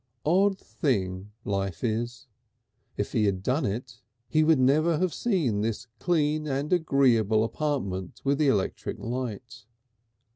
Odd thing life is! If he had done it he would never have seen this clean and agreeable apartment with the electric light....